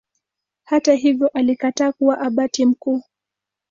Hata hivyo alikataa kuwa Abati mkuu.